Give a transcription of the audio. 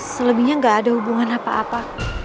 selebihnya nggak ada hubungan apa apa